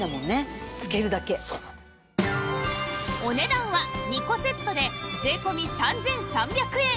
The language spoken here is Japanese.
お値段は２個セットで税込３３００円